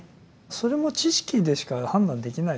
それも知識でしか判断できないですよね。